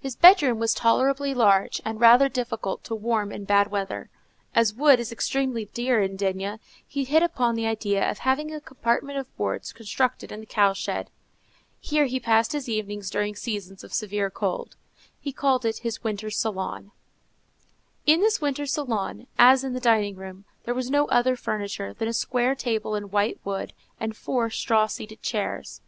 His bedroom was tolerably large, and rather difficult to warm in bad weather. As wood is extremely dear at D——, he hit upon the idea of having a compartment of boards constructed in the cow shed. Here he passed his evenings during seasons of severe cold: he called it his winter salon. In this winter salon, as in the dining room, there was no other furniture than a square table in white wood, and four straw seated chairs.